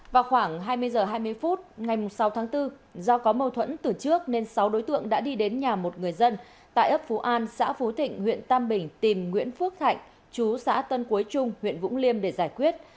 vào khoảng hai mươi h hai mươi phút ngày sáu tháng bốn do có mâu thuẫn từ trước nên sáu đối tượng đã đi đến nhà một người dân tại ấp phú an xã phú thịnh huyện tam bình tìm nguyễn phước thạnh chú xã tân quế trung huyện vũng liêm để giải quyết